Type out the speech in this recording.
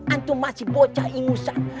antum masih bocah imusan